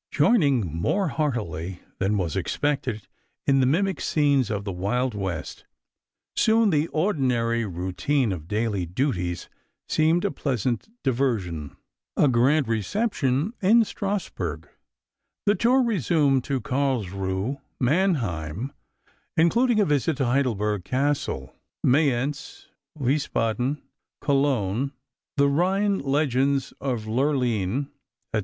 Joining more heartily than was expected in the mimic scenes of the Wild West, soon the ordinary routine of daily duties seemed a pleasant diversion. A grand reception in Strasburg, the tour resumed to Carlsruhe, Mannheim including a visit to Heidelberg Castle, Mayence, Wiesbaden, Cologne (the Rhine legends of Lurline, etc.